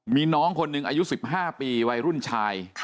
มีน้องคนหนึ่งอายุ๑๕ปีวัยรุ่นชาย